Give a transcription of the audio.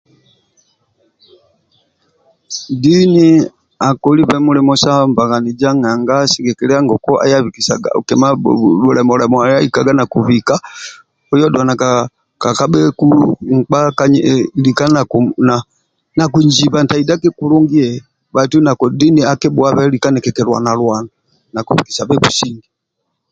Dini akolibe mulimo sa mbaganiz nanga sigikikia nanga ngoku aya bikisaga bhulemo lemo yalikaga nakibika oyo dulanaga nkpa lika nakinziba ntaidaki kulungi bhaitu dini akibhuabe lika nikikilwanalwana nakibikisabe businge